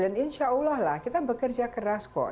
dan insya allah lah kita bekerja keras kok